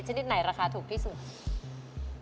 ชนิดไหนราคาถูกครับ